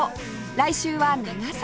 来週は長崎